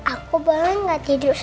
aduh ya tidur